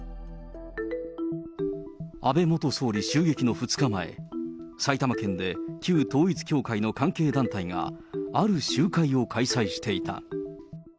安倍元総理襲撃の２日前、埼玉県で旧統一教会の関係団体が、ある集会を開催していた。